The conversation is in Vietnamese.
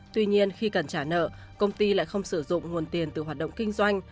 tuy nhiên khi cần trả nợ công ty lại không sử dụng nguồn tiền từ hoạt động kinh doanh